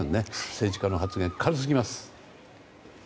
政治家の発言、軽すぎます。